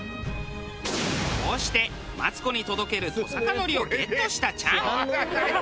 こうしてマツコに届けるトサカノリをゲットしたチャン。